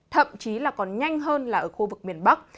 thậm chí là còn nhanh hơn là ở khu vực miền bắc